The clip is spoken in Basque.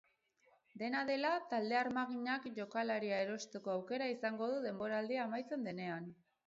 Dena dela, talde armaginak jokalaria erosteko aukera izango du denboraldia amaitzen denean.